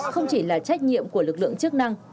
không chỉ là trách nhiệm của lực lượng chức năng